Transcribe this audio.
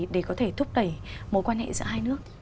để có thể thúc đẩy mối quan hệ giữa hai nước